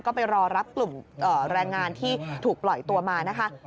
ก็ไปรอรับกลุ่มแรงงานที่ถูกปล่อยตัวมานะคะ